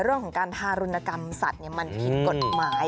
เรื่องของการทารุณกรรมสัตว์มันผิดกฎหมาย